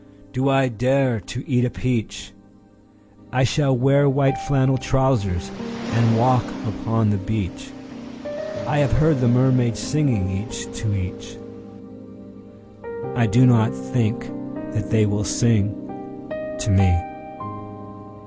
Do I dare to eat a peach?I shall wear white flannel trousers, and walk upon the beach.I have heard the mermaids singing, each to each.I do not think that they will sing to me.